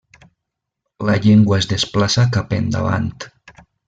La llengua es desplaça cap endavant.